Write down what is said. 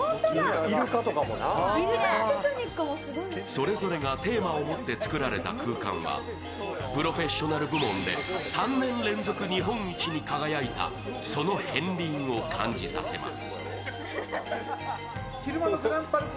それぞれがテーマをもって作られた空間はプロフェッショナル部門で３年連続日本一に輝いた、その片りんを感じさせます。